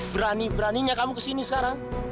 berani beraninya kamu kesini sekarang